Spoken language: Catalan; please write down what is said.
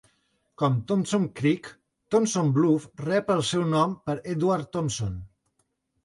Com Thompson Creek, Thompson Bluff rep el seu nom per Edward Thompson.